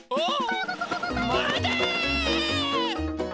まて！